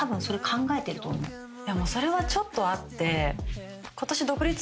それはちょっとあって。